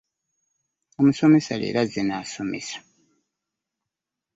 Omusomesa leero azze n'asomesa.